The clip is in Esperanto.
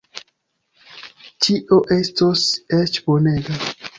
Ĉio estos eĉ bonega.